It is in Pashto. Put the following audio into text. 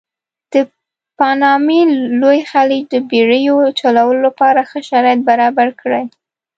د پانامې لوی خلیج د بېړیو چلولو لپاره ښه شرایط برابر کړي.